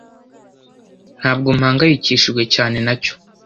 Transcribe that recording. Ntabwo mpangayikishijwe cyane nacyo.